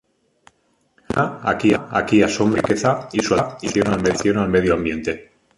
La fauna aquí asombra por su riqueza y su adaptación al medio ambiente.